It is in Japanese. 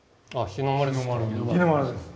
日の丸です。